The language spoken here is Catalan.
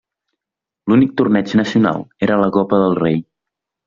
L'únic torneig nacional era la Copa del Rei.